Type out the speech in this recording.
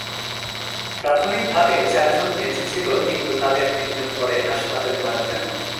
প্রাথমিকভাবে চারজন বেঁচে ছিল, কিন্তু তাদের তিনজন পরে হাসপাতালে মারা যান।